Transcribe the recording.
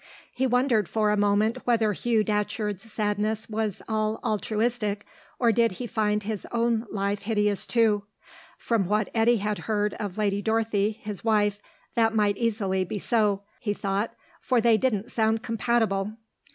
He wondered for a moment whether Hugh Datcherd's sadness was all altruistic, or did he find his own life hideous too? From what Eddy had heard of Lady Dorothy, his wife, that might easily be so, he thought, for they didn't sound compatible.